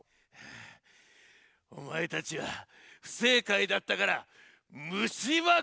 あおまえたちはふせいかいだったからむしば工事だ。